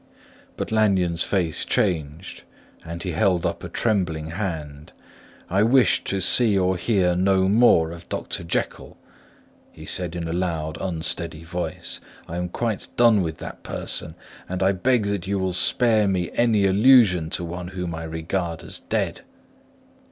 But Lanyon's face changed, and he held up a trembling hand. "I wish to see or hear no more of Dr. Jekyll," he said in a loud, unsteady voice. "I am quite done with that person; and I beg that you will spare me any allusion to one whom I regard as dead."